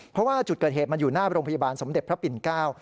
เพราะว่าจุดเกิดเหตุมันอยู่หน้าโรงพยาบาลสมเด็จพระปิ่นเก้า